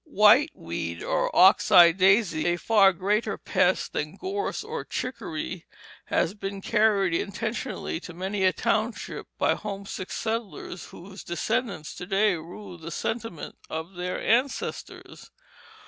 Whiteweed or ox eye daisy, a far greater pest than gorse or chicory, has been carried intentionally to many a township by homesick settlers whose descendants to day rue the sentiment of their ancestors.